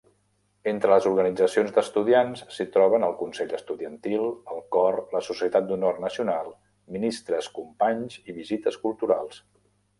Entre les organitzacions d'estudiants s'hi troben el consell estudiantil, el cor, la Societat d'Honor Nacional, Ministres Companys i Visites Culturals.